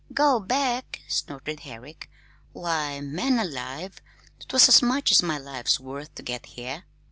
"Go back!" snorted Herrick. "Why, man alive, 'twas as much as my life's worth to get here.